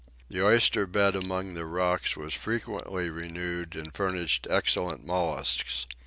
The oyster bed among the rocks was frequently renewed and furnished excellent molluscs.